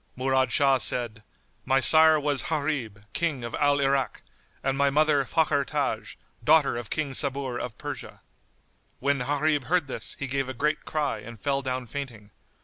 Murad Shah said, "My sire was Gharib, King of Al Irak, and my mother Fakhr Taj, daughter of King Sabur of Persia." When Gharib heard this, he gave a great cry and fell down fainting.